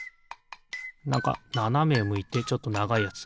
なんかななめむいてちょっとながいやつ。